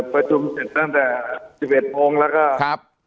ประชุมเสร็จตั้งแต่๑๑พงษ์แล้วก็